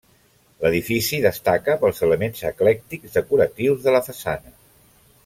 L'edifici destaca pels elements eclèctics decoratius de la façana.